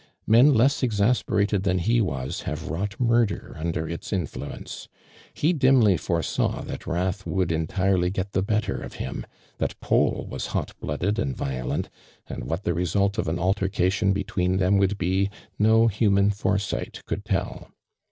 Men less exasperated than he was, have wrought murder under its influence. He dimly foresaw that wrath would entirely get the bettor of him— that Paul was hot blooded and violent, and what the result of an altercation between them woultl be, no human foresight could tell.